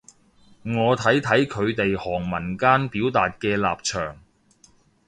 我睇睇佢哋行文間表達嘅立場